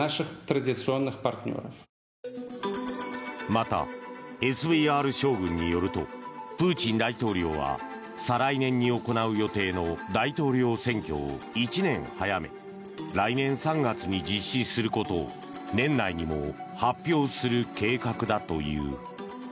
またＳＶＲ将軍によるとプーチン大統領は再来年に行う予定の大統領選挙を１年早め来年３月に実施することを年内にも発表する計画だという。